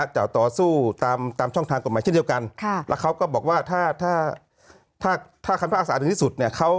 จะต่อสู้ตามช่องทางกฎหมายเช่นเดียวกันแล้วเขาก็บอกว่าถ้าคำพิพากษาถึงที่สุดเนี่ย